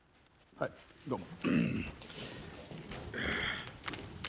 はいどうぞ。